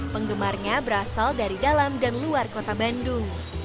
penggemarnya berasal dari dalam dan luar kota bandung